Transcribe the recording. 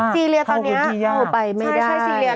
ซีเรียตอนนี้เข้าไปไม่ได้